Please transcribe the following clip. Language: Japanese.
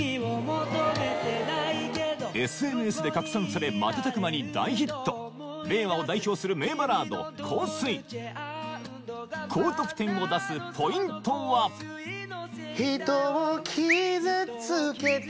ＳＮＳ で拡散され瞬く間に大ヒット令和を代表する名バラード高得点を出すポイントは「人を傷つけて」